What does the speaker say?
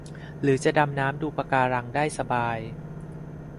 หรือจะดำน้ำดูปะการังได้สบาย